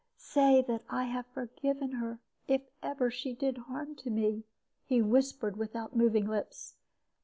"'Say that I have forgiven her, if ever she did harm to me,' he whispered, without moving lips.